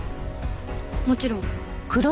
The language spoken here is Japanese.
もちろん。